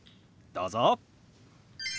どうぞ。